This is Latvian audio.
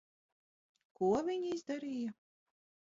Ko viņi izdarīja?